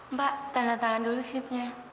mbak tanda tangan dulu sipnya